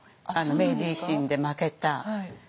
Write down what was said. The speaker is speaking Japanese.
明治維新で負けた。